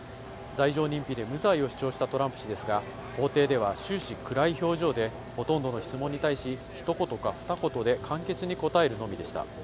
罪状認否で無罪を主張したトランプ氏ですが、法廷では終始、暗い表情でほとんどの質問に対し、ひと言か、ふた言で簡潔に答えるのみでした。